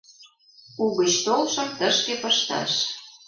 — Угыч толшым тышке пышташ...